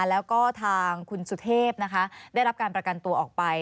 แล้วก็ทางคุณสุเทพนะคะได้รับการประกันตัวออกไป